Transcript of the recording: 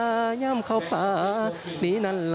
และก็มีการกินยาละลายริ่มเลือดแล้วก็ยาละลายขายมันมาเลยตลอดครับ